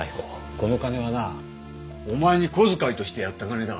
この金はなお前に小遣いとしてやった金だ。